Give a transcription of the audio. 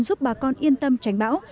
giúp bà con yên tâm tránh bão